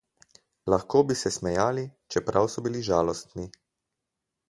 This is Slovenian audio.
Lahko bi se smejali, čeprav so bili žalostni.